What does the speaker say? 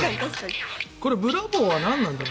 これ、ブラボーはなんだろう。